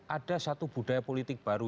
ada satu budaya politik baru